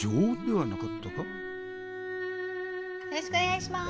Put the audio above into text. よろしくお願いします。